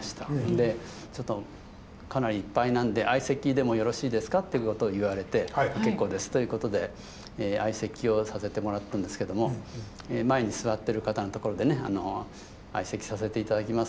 でちょっとかなりいっぱいなんで「相席でもよろしいですか？」ってことを言われて「結構です」ということで相席をさせてもらったんですけども前に座ってる方のところでね「相席させて頂きます。